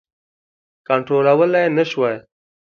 کنټرولولای نه شوای.